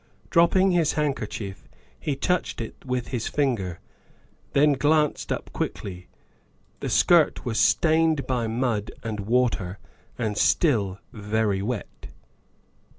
Dropping his handkerchief, he touched it with his finger, then glanced up quickly. The skirt was stained by mud and water and still very wet.